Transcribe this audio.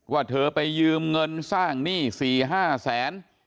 ว่าเธอไปยืมเงินสร้างหนี้๔๕แสน